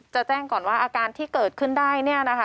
จะแจ้งก่อนว่าอาการที่เกิดขึ้นได้